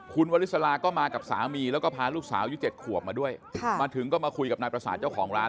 คุณวลิสลาก็มากับสามีแล้วก็พาลูกสาวยุค๗ขวบมาด้วยมาถึงก็มาคุยกับนายประสาทเจ้าของร้าน